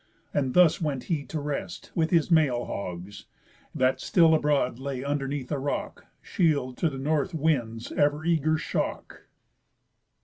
And thus went he to rest with his male hogs, That still abroad lay underneath a rock, Shield to the North wind's ever eager shock.